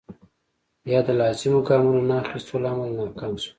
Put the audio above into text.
یا د لازمو ګامونو نه اخیستو له امله ناکام شول.